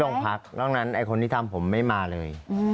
ที่ลงพักด้านนั้นคนที่ทำผมไม่มาเลย